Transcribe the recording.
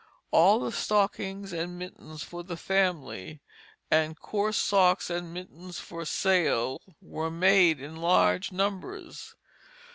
All the stockings and mittens for the family, and coarse socks and mittens for sale, were made in large numbers.